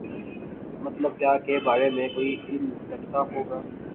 مطلب کیا کے بارے میں کوئی علم رکھتا ہو گا